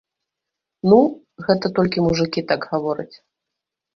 Ну, гэта толькі мужыкі так гавораць.